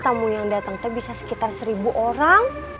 tamu yang datang itu bisa sekitar seribu orang